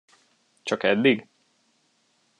Csak eddig?